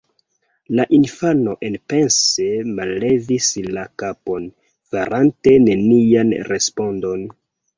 La infano enpense mallevis la kapon, farante nenian respondon.